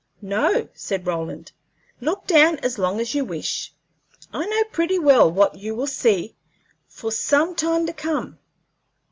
"No," said Roland. "Look down as long as you wish; I know pretty well what you will see for some time to come.